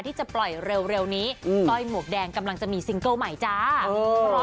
ที่จะปล่อยเร็วเร็วนี้อืมก้อยหมวกแดงกำลังจะมีซิงเกิลใหม่จ๊ะเออ